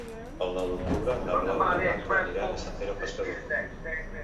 El nou d'octubre na Blau i na Blanca aniran a Sant Pere Pescador.